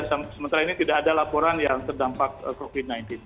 sementara ini tidak ada laporan yang terdampak covid sembilan belas